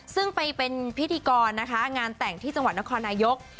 ซึ่งไปเป็นพิธีกรนะคะงานแต่งที่จังหวัดนครนายก